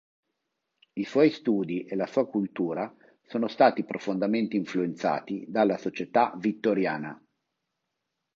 I suoi studi e la sua cultura sono stati profondamente influenzati dalla società vittoriana.